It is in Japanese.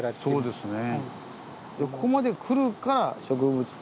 そうです。